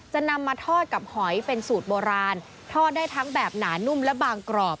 จะนำมาทอดกับหอยเป็นสูตรโบราณทอดได้ทั้งแบบหนานุ่มและบางกรอบ